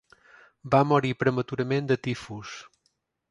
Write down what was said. Va morir prematurament de tifus.